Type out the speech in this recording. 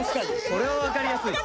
これは分かりやすい。